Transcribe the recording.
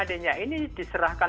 kalau seadanya ini diserahkan